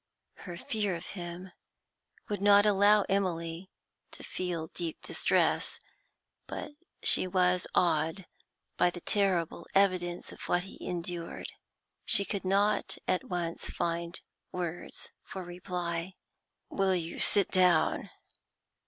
Her fear of him would not allow Emily to feel deep distress, but she was awed by the terrible evidence of what he endured. She could not at once find words for reply. 'Will you sit down?'